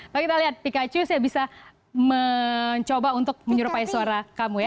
lalu kita lihat pikachu saya bisa mencoba untuk menyerupai suara kamu ya